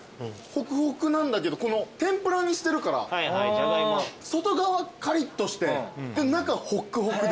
ほくほくなんだけど天ぷらにしてるから外側カリッとして中ほっくほくで。